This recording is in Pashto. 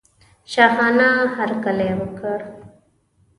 شاهانه هرکلی وکړ.